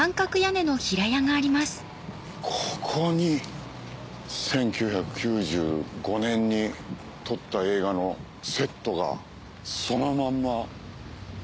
ここに１９９５年に撮った映画のセットがそのまま。